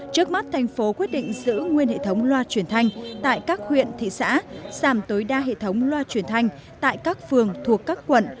trước mắt thành phố quyết định giữ nguyên hệ thống loa truyền thanh tại các huyện thị xã giảm tối đa hệ thống loa truyền thanh tại các phường thuộc các quận